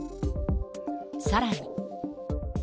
さらに。